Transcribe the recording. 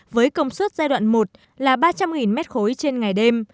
với công suất giai đoạn một là ba trăm linh m ba trên ngày đêm